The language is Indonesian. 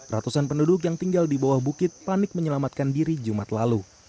ratusan penduduk yang tinggal di bawah bukit panik menyelamatkan diri jumat lalu